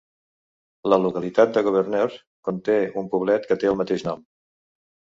La localitat de Gouverneur conté un poblet que té el mateix nom.